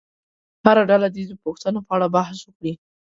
هره ډله دې د پوښتنو په اړه بحث وکړي.